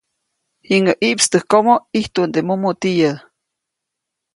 Jiŋäʼ ʼiʼpstäjkomo, ʼijtuʼnde mumutiyä.